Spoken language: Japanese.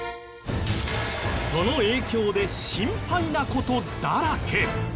その影響で心配な事だらけ。